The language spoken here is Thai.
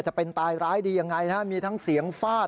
จะเป็นตายร้ายดียังไงนะฮะมีทั้งเสียงฟาด